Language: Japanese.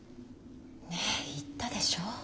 ねえ言ったでしょう。